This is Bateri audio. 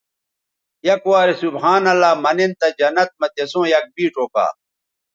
یک وارے سبحان اللہ منن تہ جنت مہ تسوں یک بیڇ اوکا